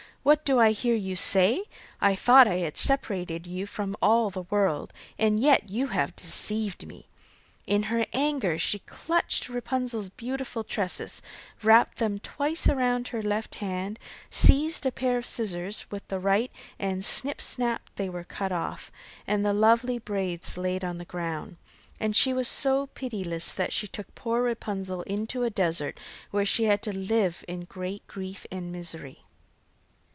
'What do I hear you say! I thought I had separated you from all the world, and yet you have deceived me!' In her anger she clutched Rapunzel's beautiful tresses, wrapped them twice round her left hand, seized a pair of scissors with the right, and snip, snap, they were cut off, and the lovely braids lay on the ground. And she was so pitiless that she took poor Rapunzel into a desert where she had to live in great grief and misery.